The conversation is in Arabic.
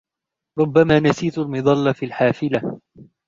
ربما نسيت المظلة في الحافلة.